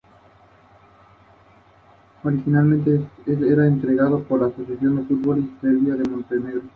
Las únicas zonas planas eran las aledañas al valle del Magdalena.